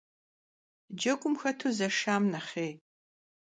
Cegum xetu zeşşam nexhêy.